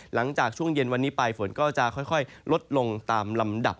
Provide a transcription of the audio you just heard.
หลังจากช่วงเย็นวันนี้ไปฝนก็จะค่อยลดลงตามลำดับ